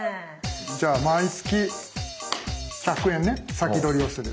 じゃあ毎月１００円ね先取りをする。